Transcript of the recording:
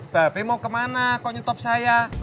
bape mau ke mana kok nyetop saya